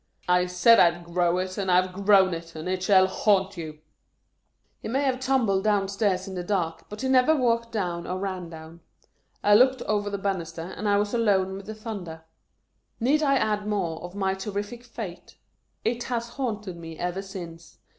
I SAID I 'D GROW IT, AND I 'VE GROWN IT, AND IT SHALL HAUNT YOU !" He may have tumbled down stairs in the dark, but he never walked down or ran down. I looked over the bannisters, and I was alone with the thunder. Need I add more of my terrific fate ? It HAS haunted me ever since.